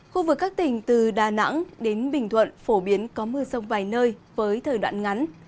khu vực các tỉnh từ đà nẵng đến bình thuận phổ biến có mưa rông vài nơi với thời đoạn ngắn